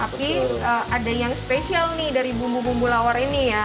tapi ada yang spesial nih dari bumbu bumbu lawar ini ya